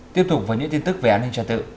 tiếp tục với những tin tức về an ninh trật tự